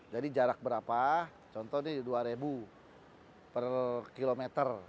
jadi jarak berapa contohnya dua ribu per kilometer